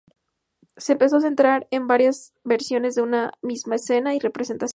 Se empezó a centrar en hacer varias versiones de una misma escena o representación.